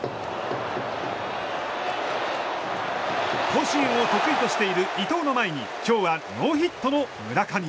甲子園を得意としている伊藤の前に今日はノーヒットの村上。